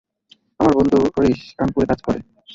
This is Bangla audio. আমার বন্ধু হরিশ কানপুরে কাজ করে।